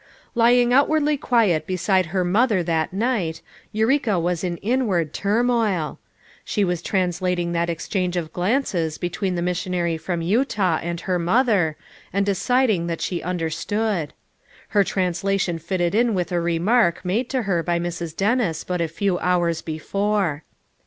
Lying outwardly quiet beside her mother that night, Eureka was in inward turmoil. She was translating that exchange of glances between the missionary from Utah and her mother, and deciding that she understood. Her translation fitted in with a remark made to her by Mrs. Dennis but a few hours before.